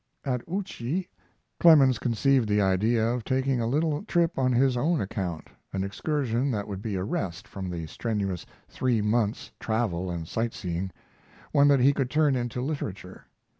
At Ouchy Clemens conceived the idea of taking a little trip on his own account, an excursion that would be a rest after the strenuous three months' travel and sightseeing one that he could turn into literature.